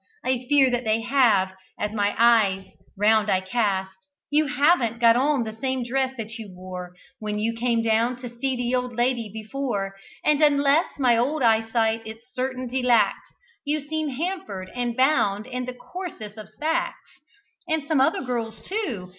I fear that they have, as my eyes round I cast You haven't got on the same dress that you wore When you came down to see the old lady before And unless my old eyesight its certainty lacks You seem hampered and bound in the coarsest of sacks, And some other girls, too!